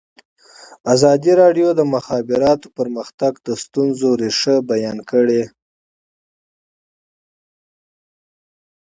ازادي راډیو د د مخابراتو پرمختګ د ستونزو رېښه بیان کړې.